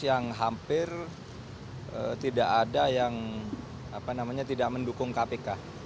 yang hampir tidak ada yang tidak mendukung kpk